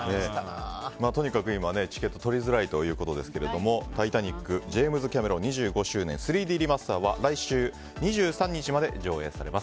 とにかく今はチケット取りづらいということですけども「タイタニック：ジェームズ・キャメロン２５周年３Ｄリマスター」は来週２３日まで上映されます。